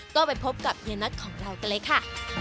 ก็ไปพบกับเฮียน็อตของเรากันเลยค่ะ